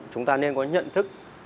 chúng ta nên có nhận thức